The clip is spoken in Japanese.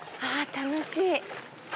あぁ楽しい。